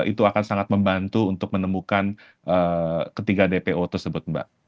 itu akan sangat membantu untuk menemukan ketiga dpo tersebut mbak